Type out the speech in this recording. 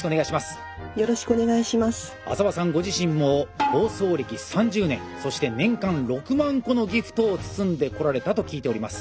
ご自身も包装歴３０年そして年間６万個のギフトを包んでこられたと聞いております。